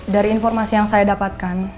dari informasi yang saya dapatkan